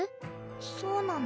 そうなの？